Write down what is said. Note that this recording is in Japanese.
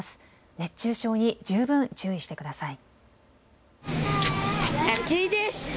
熱中症に十分注意してください。